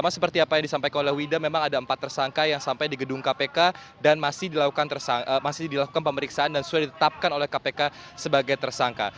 seperti apa yang disampaikan oleh wida memang ada empat tersangka yang sampai di gedung kpk dan masih dilakukan pemeriksaan dan sudah ditetapkan oleh kpk sebagai tersangka